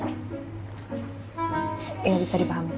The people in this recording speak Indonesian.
iya bisa dipahami pak